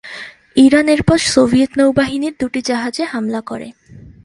Iran এরপর Soviet নৌবাহিনীর দু'টি জাহাজে হামলা করে।